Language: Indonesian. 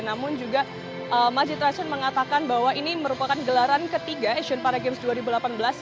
namun juga masjid rashion mengatakan bahwa ini merupakan gelaran ketiga asian paragames dua ribu delapan belas